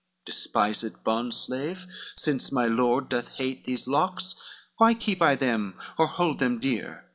XLVIII "Despised bondslave, since my lord doth hate These locks, why keep I them or hold them dear?